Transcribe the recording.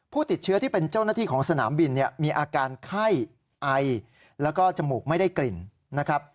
ผู้ติดเชื้อที่เป็นเจ้าหน้าที่ของสนามบินเนี่ยมีอาการไข้ไอแล้วก็จมูกไม่ได้กลิ่นนะครับ